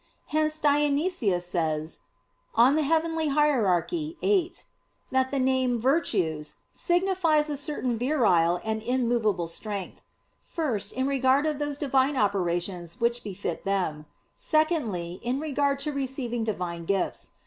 Hence Dionysius says (Coel. Hier. viii) that the "name 'virtues' signifies a certain virile and immovable strength"; first, in regard of those Divine operations which befit them; secondly, in regard to receiving Divine gifts.